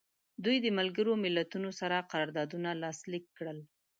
دوی د ملګرو ملتونو سره قراردادونه لاسلیک کړل.